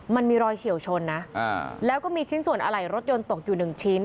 มันมีรอยเฉียวชนนะแล้วก็มีชิ้นส่วนอะไหล่รถยนต์ตกอยู่หนึ่งชิ้น